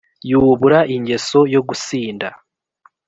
yubura ingeso yo gusinda